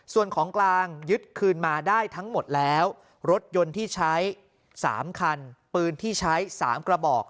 ส่วนของกลางยึดคืนมาได้ทั้งหมดแล้วรถยนต์ที่ใช้๓คันปืนที่ใช้๓กระบอก